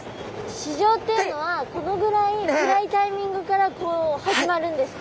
市場っていうのはこのぐらい暗いタイミングから始まるんですか？